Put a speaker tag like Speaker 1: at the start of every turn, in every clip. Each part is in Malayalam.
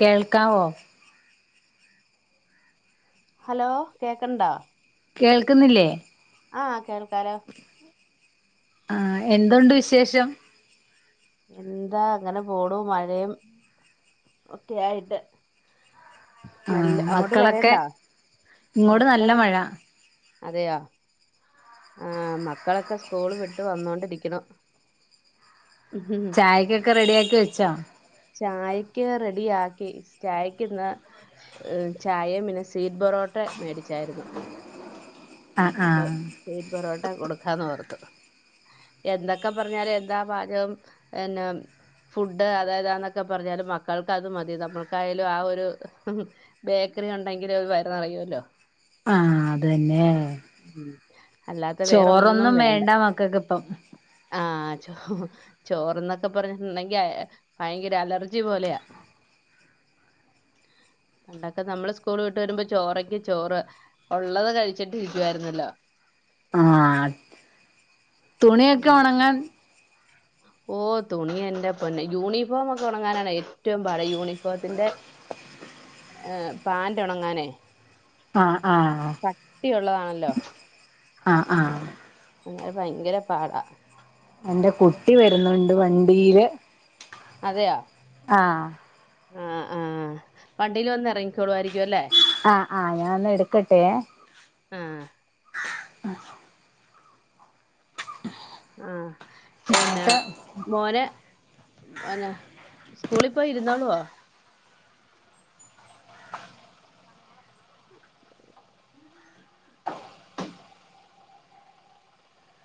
Speaker 1: കേൾക്കാവോ?
Speaker 2: ഹലോ കേക്കണ്ടാ?
Speaker 1: കേൾക്കുന്നില്ലേ?
Speaker 2: ആ കേൾക്കാലോ?
Speaker 1: ആ എന്തുണ്ട് വിശേഷം.
Speaker 2: എന്താ അങ്ങനെ പോണു മഴയും. ഒക്കെ ആയിട്ട്. നല്ല
Speaker 1: ആഹ്
Speaker 2: അങ്ങോട്ട്
Speaker 1: മക്കളൊക്കെ
Speaker 2: മഴയുണ്ടോ
Speaker 1: ഇങ്ങോട് നല്ല
Speaker 2: മക്കള
Speaker 1: മഴ
Speaker 2: അതെയാ ആ മക്കളൊക്കെ സ്കൂള് വിട്ട് വന്നോണ്ടിരിക്കുണു.
Speaker 1: ആയിരി ഒക്കെ റെഡിയാക്കി വച്ചോ?
Speaker 2: ചായക്ക് റെഡിയാക്കി ചായക്ക്ന്ന്. ചായയും പിന്നെ സീറ്റ് പൊറോട്ട മേടിച്ചായിരുന്നു.
Speaker 1: ആഹ്
Speaker 2: അപ്പൊ
Speaker 1: ആഹ്
Speaker 2: സീറ്റ് പൊറോട്ട കൊടുക്കാന്ന് പറഞ്ഞു. എന്തൊക്കെ പറഞ്ഞാലും എന്താ പാചകം ന്നെ ഫുഡ് അതായതാന്നൊക്കെ പറഞ്ഞാല് മക്കൾക്ക് അത് മതി നമ്മൾക്കായാലും ആ ഒരു ബേക്കറി ഉണ്ടെങ്കിൽ വയറു നിറയുല്ലോ.
Speaker 1: ആ അതന്നെ
Speaker 2: അല്ലാത്ത വേറൊന്നും
Speaker 1: ചോറൊന്നും
Speaker 2: വേണ്ട.
Speaker 1: മക്കൾക്ക് ഇപ്പം
Speaker 2: ആ ചോ ചോറന്നൊക്കെ പറഞ്ഞിട്ടുണ്ടെങ്കി ഭയങ്കര അലർജി പോലെയാ
Speaker 1: [inaudible]
Speaker 2: ണ്ടൊക്കെ നമ്മള് സ്കൂൾ വിട്ട് വരുമ്പോ ചോറങ്കി ചോറ്. ഉള്ളത് കഴിച്ച ചിട്ടിരിക്കുവായിരുന്നല്ലോ.
Speaker 1: ആ തുണിയൊക്കെ
Speaker 2: ഉം.
Speaker 1: ഉണങ്ങാൻ.
Speaker 2: ഓ തുണിയൻ്റെ പൊന്നെ യൂണിഫോമൊക്കെ ഒണങ്ങാനാണ് ഏറ്റവും പാട്. യൂണിഫോമത്തിന്റെ ഏഹ് പാന്റ് ഉണങ്ങാനേ
Speaker 1: ആഹ് ആഹ്
Speaker 2: കട്ടിയുള്ളതാണല്ലോ
Speaker 1: ആഹ് ആഹ്
Speaker 2: ന്നേ ഭയങ്കര പാടാ
Speaker 1: എന്റെ കുട്ടി വരുന്നുണ്ട് വണ്ടീയില്
Speaker 2: അതെയോ ആഹ് ആഹ് വണ്ടിൽ വന്ന് ഇറങ്ങിക്കോളുമായിരിക്കുംല്ലേ
Speaker 1: ആഹ് ആഹ് ഞാൻ ഒന്ന് എടുക്കട്ടെ
Speaker 2: ആഹ്
Speaker 1: [inaudible]
Speaker 2: ആഹ് എന്നാ
Speaker 1: എന്നിട്ട്
Speaker 2: മോനെ പിന്നെ സ്കൂളിൽ പോയി ഇരുന്നോളോ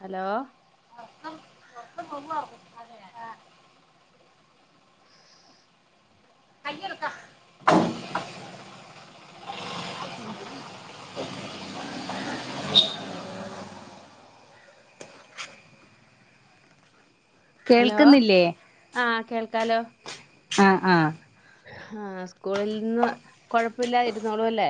Speaker 2: ഹലോ ഹലോ
Speaker 1: കേൾക്കുന്നില്ലേ
Speaker 2: ആഹ് കേൾക്കാലോ
Speaker 1: ആഹ് ആഹ്
Speaker 2: ആഹ് സ്കൂളിൽന്ന് കൊഴപ്പില്ലാതിരുന്നോളൂല്ലേ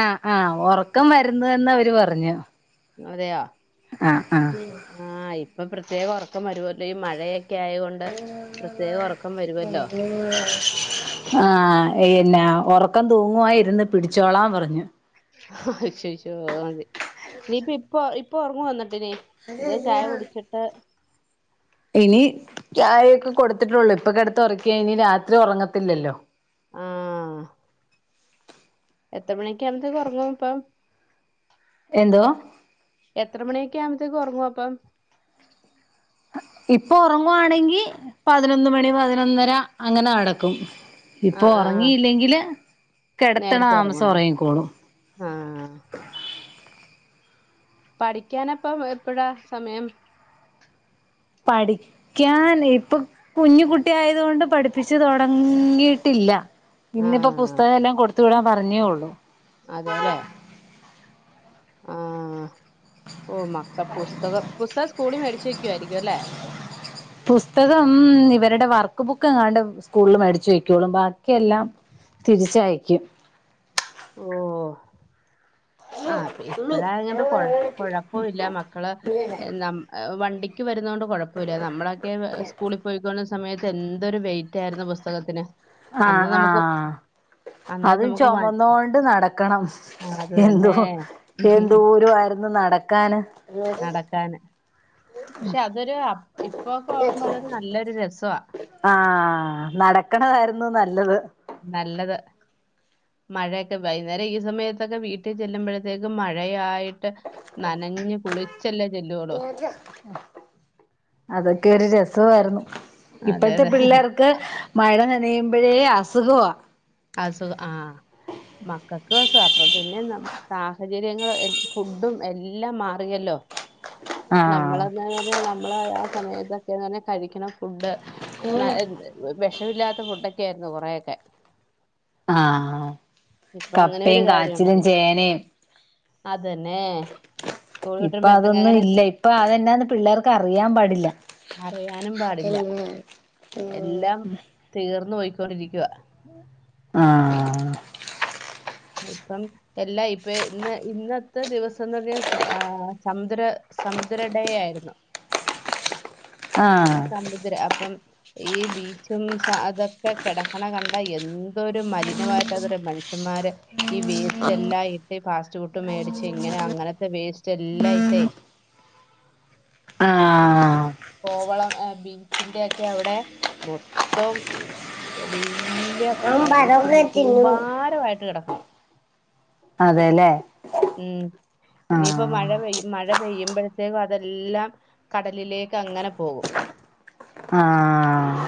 Speaker 1: ആഹ് ആഹ് ഉറക്കം വരുന്നുന്ന് അവര് പറഞ്ഞു
Speaker 2: അതെയാ
Speaker 1: ആഹ് ആഹ്
Speaker 2: ആഹ് ഇപ്പൊ പ്രത്യേകം ഒറക്കം വരുവോത്തേയും മഴയെ ഒക്കെയോണ്ട് പ്രത്യേകം ഒറക്കം വരുമല്ലോ
Speaker 1: [unintelligible] ആഹ് പിന്നെ ഉറക്കം തൂങ്ങുവായിരുന്ന് പിടിച്ചോളാ പറഞ്ഞു
Speaker 2: [unintelligible] അതെ നീയിപ്പ ഇപ്പ ഇപ്പൊ ഉറങ്ങു വന്നിട്ടിനി ത് ചായ കുടിച്ചിട്ട്
Speaker 1: ഇനി ചായയൊക്കെ കൊടുത്തിട്ടുള്ളൂ ഇപ്പൊക്കിടത്ത് ഉറക്കിയനി രാത്രി ഉറങ്ങത്തില്ലല്ലോ
Speaker 2: ആഹ് എത്ര മണിക്ക് ആവുമ്പകുറങ്ങും ഇപ്പം
Speaker 1: എന്തോ
Speaker 2: എത്ര മണിയൊക്കെ ആവുമ്പത്തേകുറങ്ങു അപ്പം
Speaker 1: ഇപ്പൊ ഉറങ്ങുവാണെങ്കിൽ പതിനൊന്ന് മണി പതിനൊന്നര അങ്ങനെ നടക്കും
Speaker 2: ആ
Speaker 1: ഇപ്പൊ
Speaker 2: ആ ആ
Speaker 1: ഉറങ്ങിയില്ലെങ്കില് കിടത്തണ താമസം ഉറങ്ങിക്കോളും
Speaker 2: ആഹ് പഠിക്കാനപ്പ എപ്പഴാ സമയം
Speaker 1: പഠിക്കൻ ഇപ്പൊ കുഞ്ഞു കുട്ടി ആയതകൊണ്ട് പഠിപ്പിച്ച തുടങ്ങിട്ടില്ല ഇന്നിപ്പോ
Speaker 2: ആ
Speaker 1: പുസ്തക എല്ലാം കൊടുത്തു വിടാൻ പറഞ്ഞേള്ളൂ
Speaker 2: അതെല്ലേ ആഹ് ഓഹ് മക്കൾ പുസ്തകം പുസ്തകം സ്കൂളി മേടിച്ച വെക്കുവായിരിക്കും അല്ലേ
Speaker 1: പുസ്തകം ഇവരുടെ വർക്ക് ബുക്ക് എങ്ങാണ്ട് സ്കൂളിൽ മേടിച്ചു വെക്കളും ബാക്കിയെല്ലാം തിരിച്ചയക്കും
Speaker 2: ഓഹ് ആഹ് ഇപ്പഴ അങ്ങട്ട കൊഴപ്പല്ല മക്കള് എല്ലാം വണ്ടി വരുന്നത കൊണ്ട് കുഴപ്പമില്ല നമ്മളൊക്കെ സ്കൂളിൽ പോയിക്കൊന്ന സമയത്ത് എന്തൊരു വെയിറ്റ് ആയിരുന്നു പുസ്തകത്തിന്
Speaker 1: ആഹ്
Speaker 2: അന്ന് നമുക്ക്
Speaker 1: ആഹ്
Speaker 2: അന്നേരം
Speaker 1: അതും
Speaker 2: നമുക്ക് വൺ
Speaker 1: ചുമന്നൊണ്ട് നടക്കണം
Speaker 2: ആ, അത്
Speaker 1: എന്തോ
Speaker 2: തന്നെ
Speaker 1: എന്തൂര ആയിരുന്നു നടക്കാന്
Speaker 2: നടക്കാന്, പക്ഷെ അതൊരു ഇപ്പോക്കെ ഓർക്കുമ്പോ അതൊരു നല്ലൊരു രസവാ
Speaker 1: ആഹ് നടക്കണതായ്ര്ന്നു നല്ലത്
Speaker 2: നല്ലത് മഴയക്കെ വൈന്നേരം ഈ സമയത്തൊക്കെ വീട്ടി ചെല്ലുമ്പഴത്തേക്ക് മഴയായി് ട്ട് നനഞ് കുളിച്ചല്ലേ ചെല്ലുവളൂ
Speaker 1: അതൊക്കെ ഒരു രസവാർന്നു
Speaker 2: അതെ
Speaker 1: ഇപ്പഴത്തെ
Speaker 2: അതെ
Speaker 1: പിള്ളേർ ക്ക് മഴ നനയുമ്പഴേ അസുഖവ
Speaker 2: അസുഖ ആഹ് മക്കക്ക് സ അപ്പൊ പിന്നെ സാഹചര്യങ്ങള് ഫുഡും എല്ലാം മാറിയല്ലോ
Speaker 1: ഉ
Speaker 2: നമ്മള എന്താ [unintelligible] നമ്മള് ആ സമയത്തൊക്കെങ്ങനെ കഴിക്കണ ഫുഡ് ന്ന വെഷമില്ലാത്ത ഫുഡൊക്കെ ആയിരുന്നു കുറേയൊക്കെ
Speaker 1: ആഹ്
Speaker 2: ഇപ്പൊ അങ്ങനെ ഒരു
Speaker 1: കപ്പയും
Speaker 2: കാര്യം
Speaker 1: കാച്ചിലും
Speaker 2: ഉണ്ടല്ലോ
Speaker 1: ചേനയും
Speaker 2: അതന്നെ സ്കൂൾ
Speaker 1: ഇപ്പൊ
Speaker 2: വിട്ടുമ്പോ എന്തെങ്കിലും
Speaker 1: അതൊന്നും
Speaker 2: അങ്ങനെ
Speaker 1: ഇല്ല ഇപ്പൊ അതെന്നാന്ന് പിള്ളേർക്ക് അറിയാൻ പാടില്ല
Speaker 2: അറിയാനും പാടില്ല
Speaker 1: ഉ
Speaker 2: എല്ലാം തീർന്നു പൊയ്ക്കൊണ്ടിരിക്കുവ
Speaker 1: ആഹ്
Speaker 2: ഇപ്പം എല്ലാ ഇപ്പൊ ഇന്ന് ഇന്നത്തെ ദിവസംന്ന്ക്കെ സ ആഹ് സമുദ്ര സമുദ്ര ഡേ ആയിരുന്നു
Speaker 1: ആഹ്
Speaker 2: മുദ്ര അപ്പം ഈ ബീച്ചും സ അതൊക്കെ കെടക്ക്ണ കണ്ട എന്തൊരു മലിനവായിട്ടതൊരു മനുഷ്യ -ന്മാര് ഈ വേസ്റ്റെല്ലാം ഇട്ട് ഫാസ്റ്റ് ഫുഡ് മേടിച്ച് ഇങ്ങനെ അങ്ങനത്തെ വേസ്റ്റ് എല്ലാം ഇട്ടേ
Speaker 1: ആഹ്
Speaker 2: കോവളം ബീച്ചിന്റെയൊക്കെ അവിടെ മൊത്തം വലിയ ഭയ കൂമ്പാരമായിട്ട് കിടക്കണം
Speaker 1: അതേ ലേ
Speaker 2: ഉം ഇനിയിപ്പ മഴ പെയ്യും മഴ പെയ്യുമ്പഴത്തേക്കതെല്ലാം കടലിലേക്കങ്ങനെ പോകും
Speaker 1: ആഹ്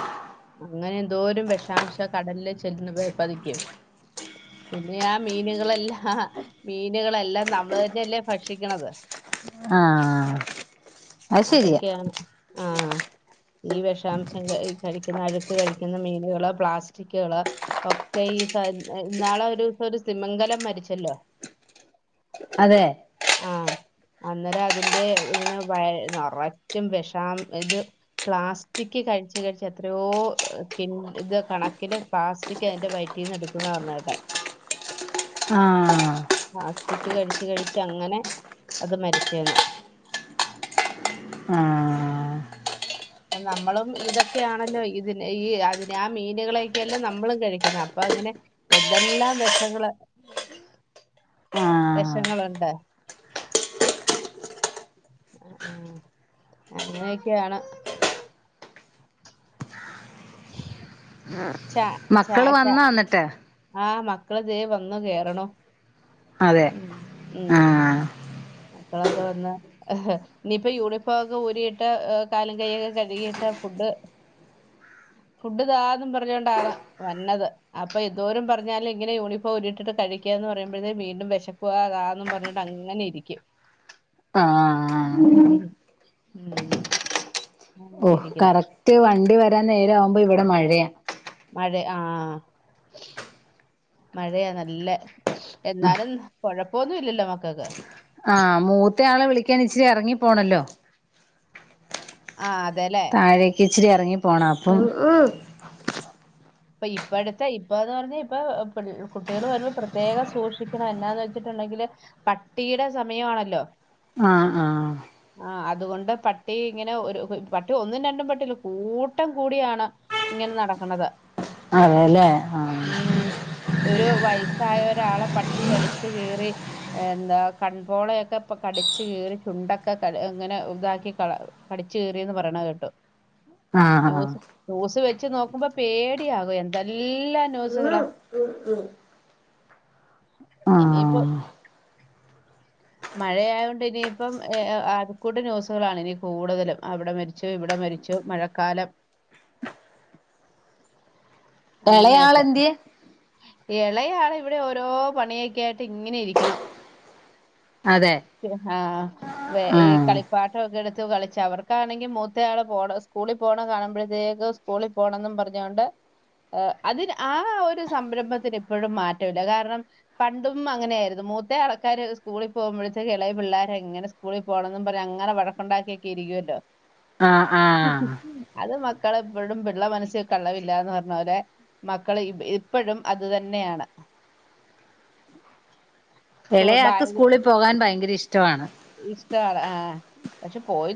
Speaker 2: അങ്ങനെന്തോരം വെഷാംശ കടലില് ചെന്ന് പതിക്കും പിന്നെ ആഹ് മീനുകളെല്ലാം മീനുകളെല്ലാം നമ്മള് തന്നെയല്ലേ ഭക്ഷിക്കണത്
Speaker 1: ആഹ് അത് ശരിയാ
Speaker 2: അതക്കെയാണ് ആഹ് ഈ വെഷാംശം ക കഴിക്കുന്ന അഴുക്ക് കഴിക്കുന്ന മീനുകള് പ്ലാസ്റ്റിക്കുകള് ഒക്കെ ഈ സ ഇന്നാളൊ രൂസം ഒരു സിമിങ്കലം മരിച്ചല്ലോ
Speaker 1: അതേ
Speaker 2: ആഹ് അന്നേരം അതിന്റെ ഇങ്ങനെ വഴ്‌ നറച്ചും വെഷാം ഇത് പ്ലാസ്റ്റിക്ക്‌ കഴിച്ച് കഴിച്ചെത്രയോ കിന്റ് ഇത് കണക്കില് പ്ലാസ്റ്റിക്ക്യതിന്റെ വയറ്റീന്ന് എടുത്തുന്ന പർഞ്ഞ് കേട്ടെ
Speaker 1: ആഹ്
Speaker 2: ആസ്ത്തിക്ക് കഴിച്ച് കഴിച്ച് അങ്ങനെ അത് മരിച്ചേന്ന്
Speaker 1: ആഹ്
Speaker 2: അത് നമ്മളും ഇതൊക്കെയാണല്ലോ ഇതിനെ ഈ അതിനെ ആ മീനുകളെയൊക്കെയല്ലേ നമ്മളും കഴിക്കുന്ന് അപ്പം അങ്ങനെ എന്തെല്ലാം വെഷങ്ങള്
Speaker 1: ആഹ്
Speaker 2: വെഷങ്ങള് ഉണ്ട് എഹ് ഏഹ് അങ്ങനെയൊക്കെയാണ് ച ചായ
Speaker 1: മക്കള്
Speaker 2: ച
Speaker 1: വന്നോ എന്നിട്ട്
Speaker 2: ആഹ് മക്കള് ദേ വന്നു കേറണു
Speaker 1: അതെ
Speaker 2: ഉം ഉം
Speaker 1: ആഹ്
Speaker 2: മക്കളൊക്കെ വന്നോ ഇനിയിപ്പോ യൂണിഫോ ഒക്കെ ഊരിയിട്ട് എ കാലും കയ്യും ഒക്കെ കഴുകീട്ട് ഫുഡ്ഡ് ഫുഡ്ഡു താന്നും പറഞ്ഞോണ്ടാണ് വന്നത് അപ്പം എന്തോരം പറഞ്ഞാല് ഇങ്ങനെ യൂണിഫോം ഊരിയിട്ടിട്ട് കഴിക്കാം എന്നു പറയുമ്പഴത്തേന് വീണ്ടും വെശക്കുക കാന്നും പറഞ്ഞോണ്ട് അങ്ങനെ ഇരിക്കും
Speaker 1: ആഹ്
Speaker 2: ഉം അങ്ങനെ
Speaker 1: ഓഹ്
Speaker 2: ഇരിക്കണം
Speaker 1: കറക്റ്റ് വണ്ടി വരാൻ നേരം ആവുമ്പ ഇവിടെ മഴയാ
Speaker 2: മഴ ആഹ് മഴയാ നല്ല എന്നാലും കൊഴപ്പോന്നും ഇല്ലല്ലോ മക്കൾക്ക്
Speaker 1: ആഹ് മൂത്ത ആളെ വിളിക്കാൻ ഇച്ചിരി എറങ്ങി പോണല്ലോ
Speaker 2: ആഹ് അതല്ലേ
Speaker 1: താഴേക്ക് ഇച്ചിരി എറങ്ങി പോണം അപ്പം
Speaker 2: ഇപ്പ ഇപ്പഴത്തെ ഇപ്പാന്ന് പറഞ്ഞാ ഇപ്പം കുട്ടികളു വരുമ്പ പ്രത്യേകം സൂക്ഷിക്കണം എന്നാന്ന് വെച്ചിട്ടുണ്ടെങ്കില് പട്ടീടെ സമയമാണല്ലോ
Speaker 1: ആഹ് ആഹ്
Speaker 2: ആ അതുകൊണ്ട് പട്ടി ഇങ്ങനെ ഒരു പട്ടി ഒന്നും രണ്ടും പട്ടിയല്ല കൂട്ടം കൂടിയാണ് ഇങ്ങനെ നടക്കണത്
Speaker 1: അതേല്ലേ
Speaker 2: ഉം ഒരു വയസായ ഒരാളെ പട്ടി കടിച്ചു കീറി എന്താ കൺപോളയൊക്കെ ഇപ്പ കടിച്ചു കീറി ചുണ്ടൊക്കെ ക ഇങ്ങനെ ഇതാക്കി കള കടിച്ചു കീറിയെന്ന് പറയണ കേട്ടു
Speaker 1: ആഹ്
Speaker 2: ന്യൂസ്
Speaker 1: ആഹ്
Speaker 2: ന്യൂസു വെച്ച് നോക്കുമ്പം പേടിയാകും എന്തെല്ലാം ന്യൂസുകളാ ഇനിയിപ്പം
Speaker 1: ആഹ്
Speaker 2: മഴയായോണ്ട് ഇനിയിപ്പം എഹ് ആഹ് ആകെ കൂടി ന്യൂസുകളാണ് ഇനി കൂടുതലും അവിടെ മരിച്ചു ഇവിടെ മരി ച്ചു മഴക്കാലം അങ്ങനെയൊക്കെ
Speaker 1: എളയാളെന്ത്യേ?
Speaker 2: ഇളയാള് ഇവിടെ ഓരോ പണിയൊക്കെ ആയിട്ട് ഇങ്ങനെ ഇരിക്കണം
Speaker 1: അതെ
Speaker 2: ആഹ് വെ ഈ
Speaker 1: ആഹ്
Speaker 2: കളി പാട്ട ഒക്കെ എടുത്ത് കളിച്ചു അവർക്കാണെങ്കി മൂത്ത ആള് പോണ സ്കൂളിൽ പോണ കാണുമ്പോഴത്തേക്കും സ്കൂളിൽ പോകണെന്നും പറഞ്ഞുകൊണ്ട് അതിന് ആ ഒരു സംരംഭത്തിന് ഇപ്പോഴും മാറ്റമില്ല. കാരണം പണ്ടും അങ്ങനെയായിരുന്നു. മൂത്ത ആൾക്കാര് സ്കൂളിൽ പോകുമ്പോഴേക്കും ഇളയ പിള്ളേര് എങ്ങനെ സ്കൂളിൽ പോകണംന്നും പറഞ്ഞു അങ്ങനെ വഴക്കുണ്ടാക്കിയൊക്കെ ഇരിക്കുമല്ലോ.
Speaker 1: ആഹ് ആഹ്
Speaker 2: അത് മക്കളെപ്പോഴും പിള്ള മനസ്സി കള്ളമില്ലെന്ന് പറഞ്ഞ പോലെ മക്കള് ഇപ്പോഴും അത് തന്നെയാണ് സ്കൂൾ
Speaker 1: ഇളയാൾക്ക് സ്കൂളിൽ പോകാൻ ഭയങ്കര ഇഷ്ടമാണ്.
Speaker 2: ഇഷ്ടാ ആഹ് പക്ഷെ പോയി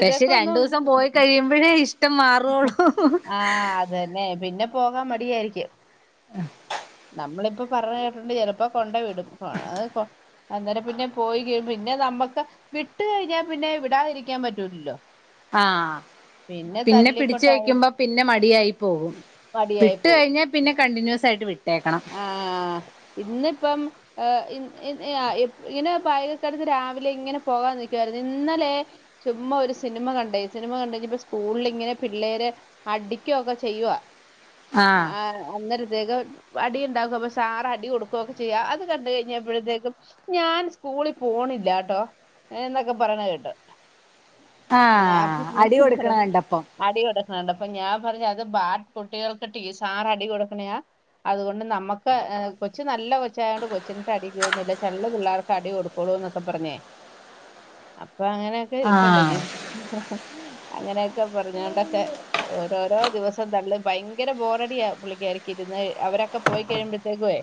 Speaker 1: പക്ഷെ
Speaker 2: ഒന്നും
Speaker 1: രണ്ടൂസം പോയി കഴിയുമ്പഴേ ഇഷ്ടം മാറുള്ളൂ.
Speaker 2: ആഹ് അത് തന്നെ പിന്നെ പോകാൻ മടിയായിരിക്കും.
Speaker 1: ആഹ്
Speaker 2: നമ്മളിപ്പ പറഞ്ഞ കേട്ടിട്ട് ചിലപ്പോ കൊണ്ട് വിടും അന്നേരം പിന്നെ പോയി കഴിയുമ്പോ പിന്നെ നമ്മക്ക് വിട്ട് കഴിഞ്ഞാൽ പിന്നെ വിടാതിരിക്കാൻ പറ്റൂലല്ലോ
Speaker 1: ആഹ് പിന്നെ പിടിച്ചു വെക്കുമ്പോൾ പിന്നെ മടിയായി പോകും
Speaker 2: മടിയായി
Speaker 1: വിട്ട്
Speaker 2: പോവും
Speaker 1: കഴിഞ്ഞാ പിന്നെ കണ്ടിന്യൂസ് ആയിട്ട് വിട്ടേക്കണം
Speaker 2: ആഹ് ഇന്നിപ്പം ഇങ്ങനെ ബായിഗ്ക്ക് എടത്ത് രാവിലെ ഇങ്ങനെ പോകാൻ നിക്കുവായിരുന്നു ഇന്നലെ ചുമ്മാ ഒരു സിനിമ കണ്ടേ സിനിമ കണ്ട് കഴിഞ്ഞപ്പ സ്കൂളിൽ ഇങ്ങനെ പിള്ളേര് അടിക്കൊക്കെ ചെയ്യുവാ ആ
Speaker 1: ആഹ്
Speaker 2: അന്നരത്തേക്ക് അടി ഉണ്ടാക്കും. അപ്പൊ സാറ് അടി കൊടുക്കുകുവൊക്കെ ചെയ്യാ അത് കണ്ട് കഴിഞ്ഞപ്പോഴത്തേക്കും ഞാൻ സ്കൂളിൽ പോണില്ലാട്ടോ എന്നൊക്കെ പറയുന്ന കേട്ടു ആ അപ്പൊ
Speaker 1: ആഹ്
Speaker 2: ഞാൻ
Speaker 1: അടി കൊടുക്കണ
Speaker 2: പറഞ്ഞു
Speaker 1: കണ്ടപ്പം
Speaker 2: അടി കൊടുക്കണ കണ്ടപ്പം. അപ്പൊ ഞാൻ പറഞ്ഞു അത് ബാഡ് കുട്ടികൾക്ക് ടീ സാർ അടി കൊടുക്കണയാ. അതുകൊണ്ട് നമ്മക്ക് കൊച്ചു നല്ല കൊച്ചായ കൊണ്ട കൊച്ചിനിട്ട് അടിക്കൊന്നുമില്ല ചളള് പിള്ളേർക്ക് അടി കൊടുക്കോളൂ എന്നൊക്കെ പറഞ്ഞേ
Speaker 1: [inaudible]
Speaker 2: അപ്പൊ അങ്ങനെയൊക്കെ ഇരിപ്പുണ്ട് ഇനി
Speaker 1: ആഹ്
Speaker 2: അങ്ങനെയൊക്കെ പറഞ്ഞോണ്ടൊക്കെ ഓരോരോ ദിവസം തള്ളി ഭയങ്കര ബോറടിയാ പുള്ളിക്കാരിക്ക് ഇരുന്ന് അവരൊക്കെ പോയി കഴിയുമ്പോഴത്തേക്കുവേ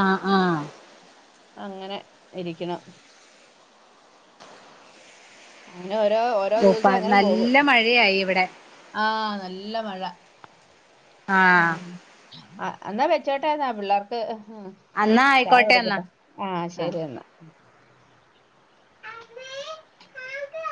Speaker 1: ആഹ് ആഹ്
Speaker 2: അങ്ങനെ ഇരിക്കണു അങ്ങനെ ഓരോ ഓരോ
Speaker 1: ഓ
Speaker 2: ദിവസം അങ്ങനെ പോകും
Speaker 1: നല്ല മഴയായി ഇവിടെ
Speaker 2: ആഹ് നല്ല മഴ
Speaker 1: ആഹ്
Speaker 2: ഉം അന്നാ വെച്ചോട്ടായിന്നാ പിള്ളേർക്ക് ഉം
Speaker 1: അന്നാ
Speaker 2: ചായ
Speaker 1: ആയിക്കോട്ടെ എന്നാ
Speaker 2: കൊടുക്കട്ടെ ആഹ് ശരി എന്നാ അമ്മേ. ചായ താ..